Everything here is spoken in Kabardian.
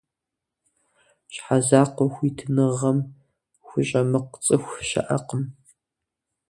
Щхьэзакъуэ хуитыныгъэм хущӀэмыкъу цӀыху щыӀэкъым.